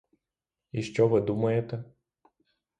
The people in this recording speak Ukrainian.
І що ви думаєте?